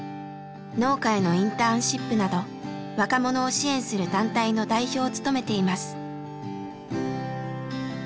農家へのインターンシップなど若者を支援する団体の代表を務めています。